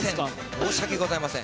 申しわけございません。